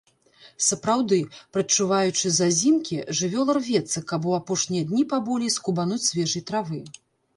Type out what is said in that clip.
Сапраўды, прадчуваючы зазімкі, жывёла рвецца, каб у апошнія дні паболей скубануць свежай травы.